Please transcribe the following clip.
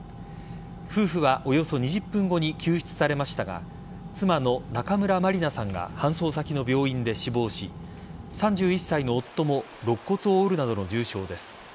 夫婦は、およそ２０分後に救出されましたが妻の中村まりなさんが搬送先の病院で死亡し３１歳の夫も肋骨を折るなどの重傷です。